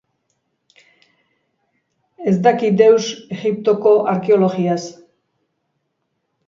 Ez daki deus Egiptoko arkeologiaz.